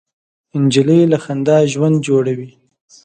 نجلۍ له خندا ژوند جوړوي.